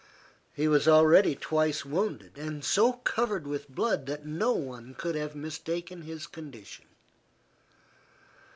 He was already twice wounded and so covered with blood that no one could have mistaken his condition.